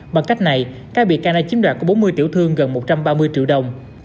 bằng cách này các bị canai chiếm đoạt có bốn mươi tiểu thương gần một trăm ba mươi triệu đồng